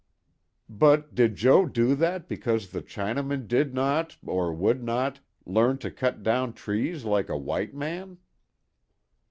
"But did Jo. do that because the Chinaman did not, or would n'ot, learn to cut down trees like a white man?"